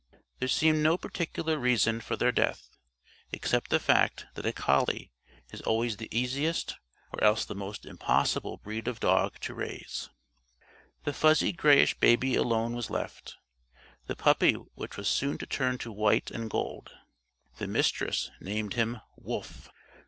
There seemed no particular reason for their death, except the fact that a collie is always the easiest or else the most impossible breed of dog to raise. The fuzzy grayish baby alone was left the puppy which was soon to turn to white and gold. The Mistress named him "Wolf."